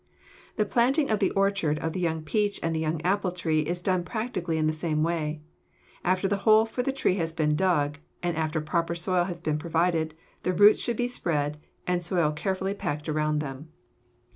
The planting in the orchard of the young peach and the young apple tree is done in practically the same way. After the hole for the tree has been dug and after proper soil has been provided, the roots should be spread and the soil carefully packed around them.